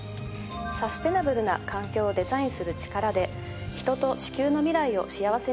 サステナブルな環境をデザインする力で人と地球の未来を幸せにする。